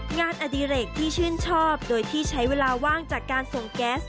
อดิเรกที่ชื่นชอบโดยที่ใช้เวลาว่างจากการส่งแก๊ส